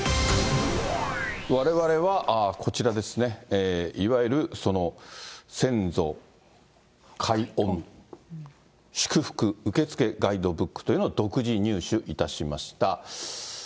われわれはこちらですね、いわゆる、その先祖解怨・祝福受付ガイドブックというのを独自入手いたしました。